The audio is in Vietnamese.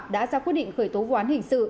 đã ra quyết định khởi tố ván hình sự